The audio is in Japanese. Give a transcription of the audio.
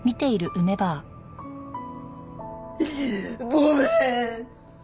ごめん！